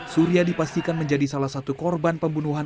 surya dipastikan menjadi salah satu korban pembunuhan